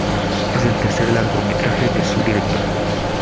Es el tercer largometraje de su director.